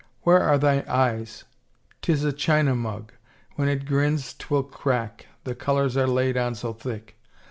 Where are thy eyes? 'Tis a china mug — when it grins 'twill crack, the colors are laid on so thick